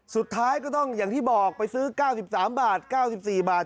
สุดท้ายก็ต้องอย่างที่บอกไปซื้อ๙๓บาท๙๔บาท